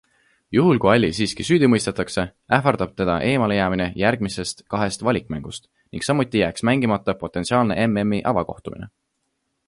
Juhul kui Alli siiski süüdi mõistetakse, ähvardab teda eemale jäämine järgmisest kahest valikmängust ning samuti jääks mängimata potentsiaalne MMi avakohtumine.